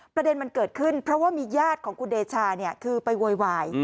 ประเด็นมันเกิดขึ้นเพราะว่ามีญาติของคุณเดชาคือไปโวยวาย